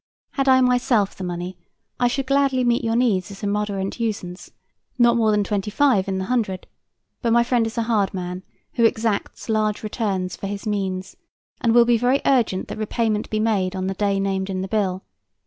Had I myself the money, I should gladly meet your needs at a moderate usance, not more than twenty five in the hundred; but my friend is a hard man, who exacts large returns for his means, and will be very urgent that repayment be made on the day named in the bill.